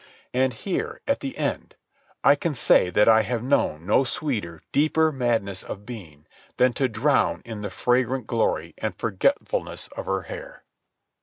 And here, at the end, I can say that I have known no sweeter, deeper madness of being than to drown in the fragrant glory and forgetfulness of her hair.